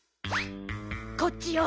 こっちよ。